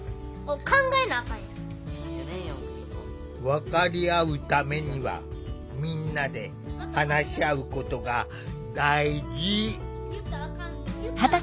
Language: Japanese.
分かり合うためにはみんなで話し合うことが大事。